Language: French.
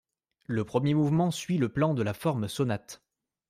Le premier mouvement suit le plan de la forme sonate.